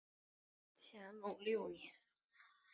乾隆六年。